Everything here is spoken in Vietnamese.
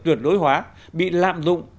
tuyển đối hóa bị lạm dụng